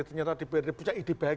ternyata dprd punya ide baik